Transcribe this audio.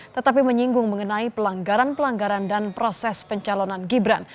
tetapi menyinggung mengenai pelanggaran pelanggaran dan proses pencalonan gibran